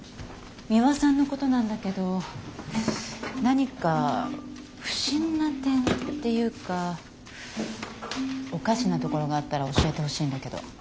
ミワさんのことなんだけど何か不審な点っていうかおかしなところがあったら教えてほしいんだけど。